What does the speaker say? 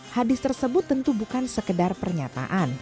hadis tersebut tentu bukan sekedar pernyataan